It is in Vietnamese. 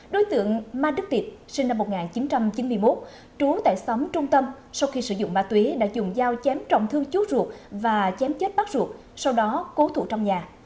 đối tượng ma tuyết sinh năm một nghìn chín trăm chín mươi một trú tại xóm trung tâm sau khi sử dụng ma tuyết đã dùng dao chém trọng thương chút ruột và chém chết bắt ruột sau đó cố thụ trong nhà